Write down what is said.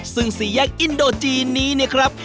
ซึ่งสี่แยกอินโดจีนนี้นะครับ